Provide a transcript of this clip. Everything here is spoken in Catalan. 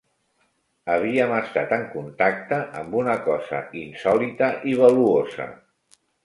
Havíem estat en contacte amb una cosa insòlita i valuosa